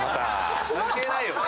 関係ないよ。